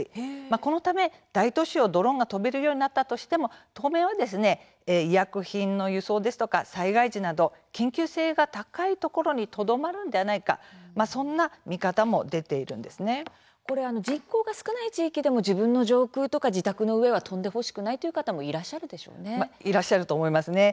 このため、大都市をドローンが飛べるようになったとしても当面はですね医薬品の輸送ですとか災害時など緊急性が高いところに留まるんではないか人口が少ない地域でも自分の上空とか自宅の上は飛んでほしくないという方もいらっしゃると思いますね。